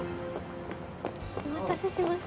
お待たせしました。